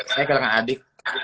saya kehilangan adik